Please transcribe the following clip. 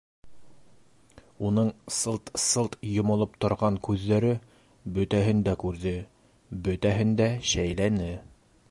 Уның сылт-сылт йомолоп торған күҙҙәре бөтәһен дә күрҙе, бөтәһен дә шәйләне.